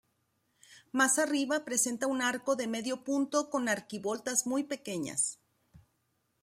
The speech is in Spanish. Más arriba presenta un arco de medio punto con arquivoltas muy pequeñas.